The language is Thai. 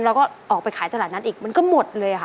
แล้วก็ออกไปขายตลาดนั้นอีกมันก็หมดเลยค่ะ